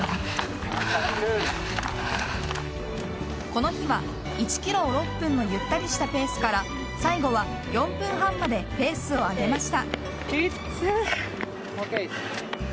この日は１キロを６分のゆったりしたペースから最後は４分半までペースを上げました。